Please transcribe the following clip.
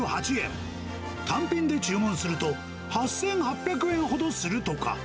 単品で注文すると、８８００円ほどするとか。